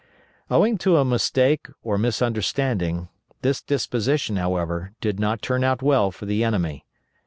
Owing to a mistake or misunderstanding, this disposition, however, did not turn out well for the enemy.